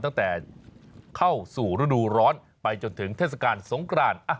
ตั้งแต่เข้าสู่ฤดูร้อนไปจนถึงเทศกาลสงกราน